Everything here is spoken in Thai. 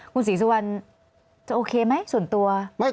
คุณศรีสุวรรณจะโอเคไหมส่วนตัว